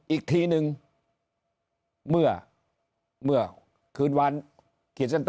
อีกทีหนึ่ง